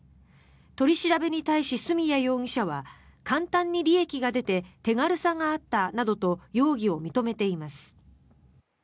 取り調べに対し角谷容疑者は簡単に利益が出て手軽さがあったなどと容疑を認めています。